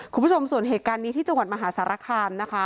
คุณผู้ชมส่วนเหตุการณ์นี้ที่จังหวัดมหาสารคามนะคะ